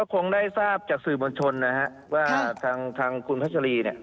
ก็คงได้ทราบจากสื่อบัญชนนะครับว่าทหินคุณพัชรีเนี่ย